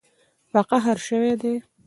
په قهر شوي دي